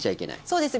そうです。